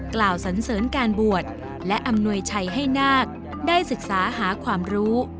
กล่าวสันเสริญการบวชและอำนวยชัยให้นาคได้ศึกษาหาความรู้